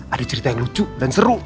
ada cerita yang lucu dan seru